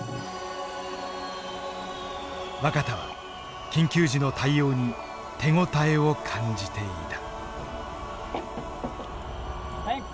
若田は緊急時の対応に手応えを感じていた。